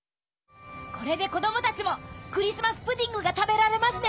これで子供たちもクリスマス・プディングが食べられますね。